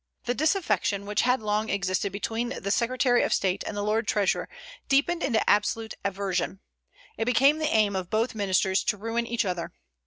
The disaffection which had long existed between the secretary of state and the lord treasurer deepened into absolute aversion. It became the aim of both ministers to ruin each other.